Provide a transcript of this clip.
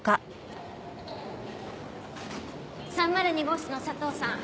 ３０２号室の佐藤さん